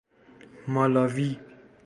مالاوی